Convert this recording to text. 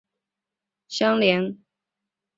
东部的铁路路轨计画与北部海滩相联接。